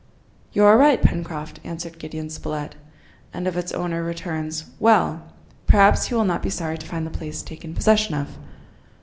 "You are right, Pencroft," answered Gideon Spilett, "and if its owner returns, well! perhaps he will not be sorry to find the place taken possession of."